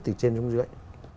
từ trên trong dưới